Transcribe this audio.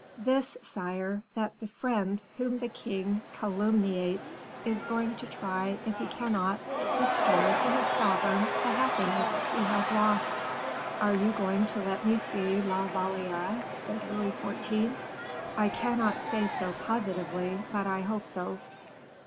"This, sire, that the friend whom the king calumniates is going to try if he cannot restore to his sovereign the happiness he has lost." "Are you going to let me see La Valliere?" said Louis XIV. "I cannot say so, positively, but I hope so."